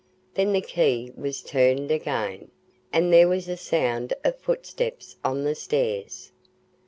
Then the key was turned again, and there was a sound of footsteps on the stairs.